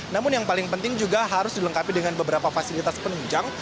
namun yang paling penting juga harus dilengkapi dengan beberapa fasilitas penunjang